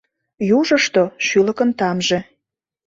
Южышто — шӱлыкын тамже